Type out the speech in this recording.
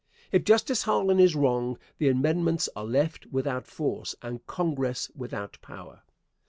If Justice Harlan is wrong the amendments are left without force and Congress without power.